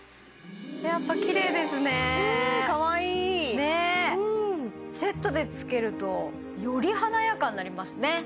やっぱきれいですねうんかわいいねセットでつけるとより華やかになりますね